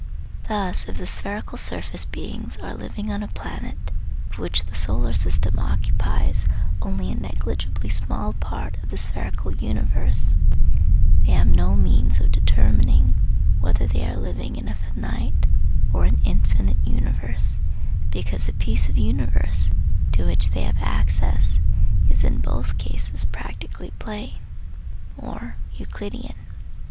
Thus if the spherical surface beings are living on a planet of which the solar system occupies only a negligibly small part of the spherical universe, they have no means of determining whether they are living in a finite or in an infinite universe, because the " piece of universe " to which they have access is in both cases practically plane, or Euclidean.